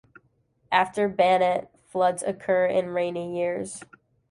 After Banat, floods occur in rainy years.